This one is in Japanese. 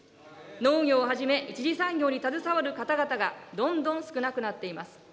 農業をはじめ、１次産業に携わる方々がどんどん少なくなっています。